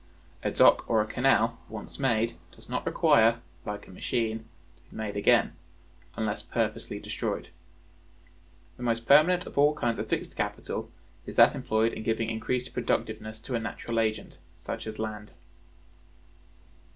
A dock or a canal, once made, does not require, like a machine, to be made again, unless purposely destroyed. The most permanent of all kinds of fixed capital is that employed in giving increased productiveness to a natural agent, such as land.